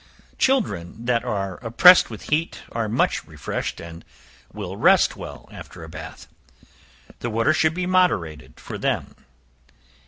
Children that are oppressed with heat are much refreshed, and will rest well after a bath; the water should be moderated for them.